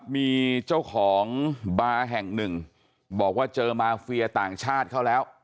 มีเจ้าของบาร์แห่งหนึ่งบอกว่าเจอมาเฟียต่างชาติเขาแล้ว